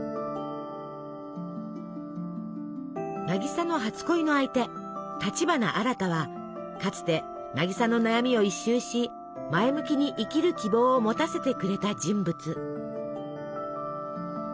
渚の初恋の相手立花アラタはかつて渚の悩みを一蹴し前向きに生きる希望を持たせてくれた人物。